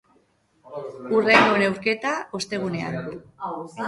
Hurrengo neurketa, ostegunean.